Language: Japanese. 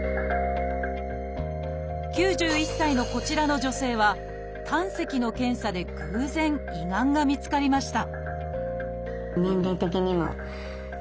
９１歳のこちらの女性は胆石の検査で偶然胃がんが見つかりました